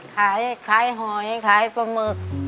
ขายขายหอยขายปลาหมึก